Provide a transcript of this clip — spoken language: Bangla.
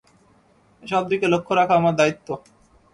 এসব দিকে লক্ষ্য রাখা আমার দায়িত্ব।